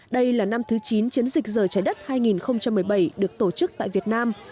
đây là năm thứ chín chiến dịch giờ trái đất hai nghìn một mươi bảy được tổ chức tại việt nam